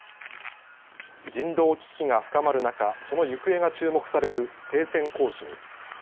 人道危機が深まる中、その行方が注目される停戦交渉。